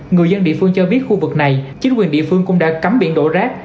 người dân địa phương cho biết khu vực này chính quyền địa phương cũng đã cấm biển đổ rác